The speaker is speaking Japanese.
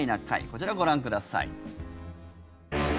こちらをご覧ください。